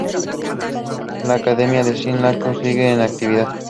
La "Accademia di San Luca" sigue en actividad.